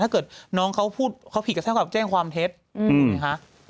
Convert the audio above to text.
ถ้าเกิดน้องเขาผิดก็เท่ากับแจ้งความเท็จ